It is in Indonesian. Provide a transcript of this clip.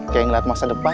kayak ngeliat masa depan